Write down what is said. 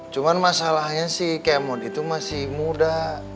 cuma masalahnya si kmot itu masih muda